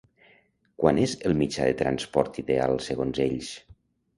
Quan és el mitjà de transport ideal, segons ells?